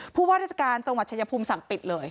ผู้ว่าราชการจังหวัดชายภูมิสั่งปิดเลย